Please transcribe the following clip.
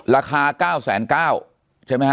ราคา๙๙๐๐ใช่ไหมฮะ